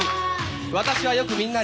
私はよくみんなに。